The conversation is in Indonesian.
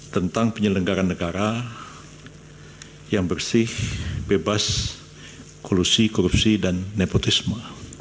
seribu sembilan ratus sembilan puluh sembilan tentang penyelenggaran negara yang bersih bebas kolusi korupsi dan nepotisme